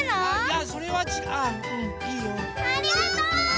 ありがとう！